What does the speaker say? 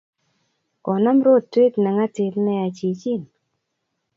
Konam rotwet ne ng'atip nea chichin